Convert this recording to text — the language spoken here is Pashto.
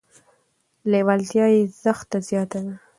لیوالتیا یې زښته زیاته ده.